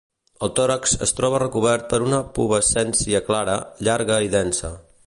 El tòrax es troba recobert per una pubescència clara, llarga i densa.